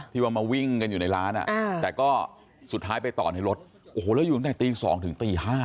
ที่ว่ามาวิ่งกันอยู่ในร้านแต่ไปบ้างสุดท้ายและอยู่ตั้งแต่ตี๒ถึง๕นาที